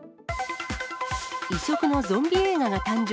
異色のゾンビ映画が誕生。